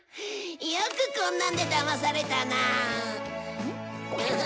よくこんなんでだまされたなあ。